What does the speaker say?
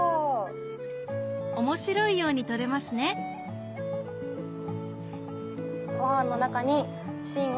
面白いように取れますねご飯の中に芯を。